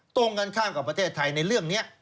ตรงกันข้ามกับประเทศไทยในเรื่องนี้